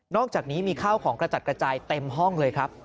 อกจากนี้มีข้าวของกระจัดกระจายเต็มห้องเลยครับ